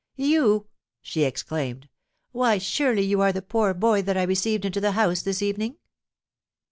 '—'You!' she exclaimed: 'why, surely you are the poor boy that I received into the house this evening?'